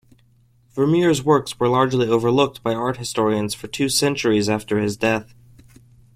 Vermeer's works were largely overlooked by art historians for two centuries after his death.